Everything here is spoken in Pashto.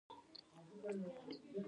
آیا کاناډا د خوړو اداره نلري؟